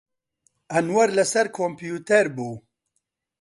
ئەنوەر لەسەر کۆمپیوتەر بوو.